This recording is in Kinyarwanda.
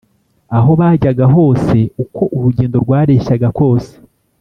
aho bajyaga hose, uko urugendo rwareshyaga kose